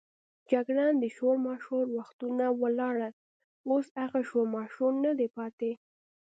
جګړن: د شورماشور وختونه ولاړل، اوس هغه شورماشور نه دی پاتې.